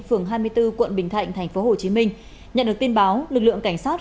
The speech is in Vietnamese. phường hai mươi bốn quận bình thạnh tp hcm nhận được tin báo lực lượng cảnh sát